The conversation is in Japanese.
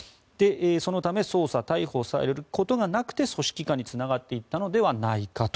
そのため捜査・逮捕されることがなくて組織化につながっていったのではないかと。